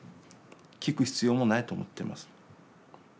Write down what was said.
聞く必要もないと思ってます。